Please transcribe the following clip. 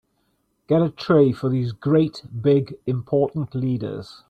Get a tray for these great big important leaders.